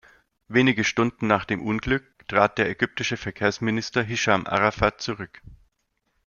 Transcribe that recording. Wenige Stunden nach dem Unglück trat der Ägyptische Verkehrsminister Hisham Arafat zurück.